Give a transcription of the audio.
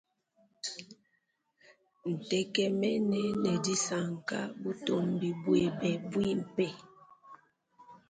Ntekemene ne disanka butumbi bwabe bwimpe.